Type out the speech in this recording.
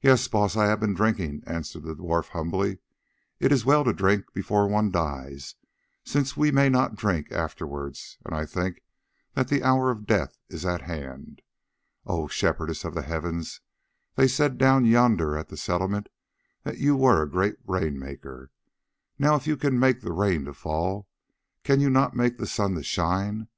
"Yes, Baas, I have been drinking," answered the dwarf humbly; "it is well to drink before one dies, since we may not drink afterwards and I think that the hour of death is at hand. Oh! Shepherdess of the heavens, they said down yonder at the Settlement that you were a great rain maker: now if you can make the rain to fall, can you not make the sun to shine?